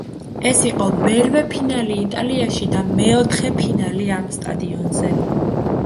ეს იყო მერვე ფინალი იტალიაში და მეოთხე ფინალი ამ სტადიონზე.